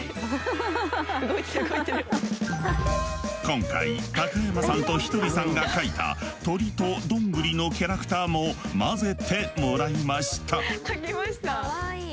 今回高山さんとひとりさんが描いた鳥とどんぐりのキャラクターも交ぜてもらいました。